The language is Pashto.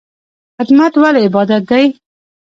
خدمت ولې عبادت دی؟